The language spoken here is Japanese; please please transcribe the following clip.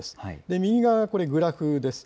右側がこれ、グラフです。